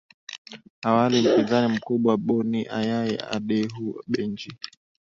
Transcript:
awali mpinzani mkubwa bonny ayai adeehu benji